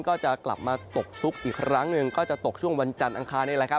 ก็จะกลับมาตกชุกอีกครั้งหนึ่งก็จะตกช่วงวันจันทร์อังคารนี่แหละครับ